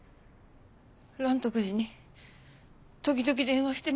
嵐徳寺に時々電話してました。